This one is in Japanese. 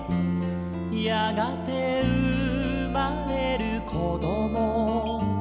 「やがてうまれるこどもたち」